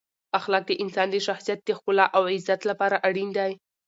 اخلاق د انسان د شخصیت د ښکلا او عزت لپاره اړین دی.